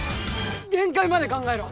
限界まで考えろ！